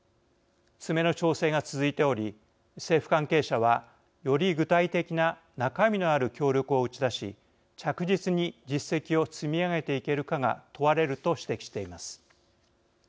詰めの調整が続いており政府関係者はより具体的な中身のある協力を打ち出し着実に実績を積み上げていけるかが問われると指摘しています。